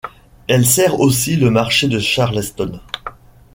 Elle sert aussi le marché de Charleston.